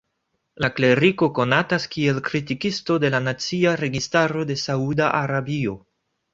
La kleriko konatas kiel kritikisto de la nacia registaro de Sauda Arabio.